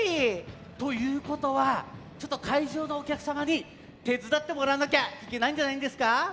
ということはちょっとかいじょうのおきゃくさまにてつだってもらわなきゃいけないんじゃないですか。